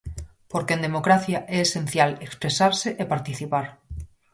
Porque en democracia é esencial expresarse e participar.